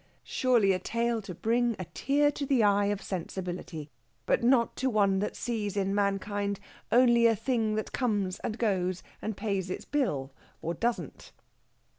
Surely a tale to bring a tear to the eye of sensibility! But not to one that sees in mankind only a thing that comes and goes and pays its bill or doesn't.